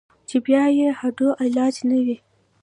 چې بيا ئې هډو علاج نۀ وي -